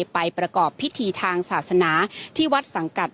ประกอบพิธีทางศาสนาที่วัดสังกัด